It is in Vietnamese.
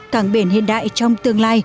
cảng biển hiện đại trong nước